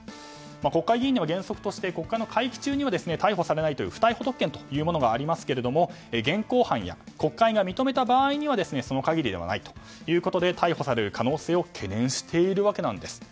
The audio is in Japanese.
国会議員には原則として国会の会期中には逮捕されない不逮捕特権がありますが現行犯や国会が認めた場合にはその限りではないということで逮捕される可能性を懸念しているわけです。